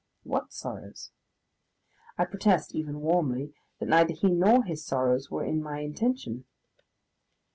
What sorrows? I protest, even warmly, that neither he nor his sorrows were in my intention.